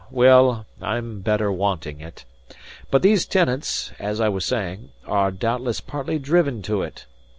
Well, I'm better wanting it.) But these tenants (as I was saying) are doubtless partly driven to it.